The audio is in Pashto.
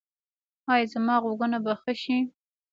ایا زما غوږونه به ښه شي؟